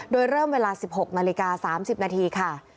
โดยเริ่มเวลา๑๖นาฬิกา๓๐นาทีค่ะ